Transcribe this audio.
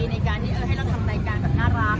ในการที่ให้เราทำรายการแบบน่ารัก